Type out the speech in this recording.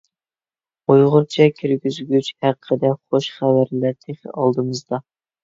ئۇيغۇرچە كىرگۈزگۈچ ھەققىدە خۇش خەۋەرلەر تېخى ئالدىمىزدا!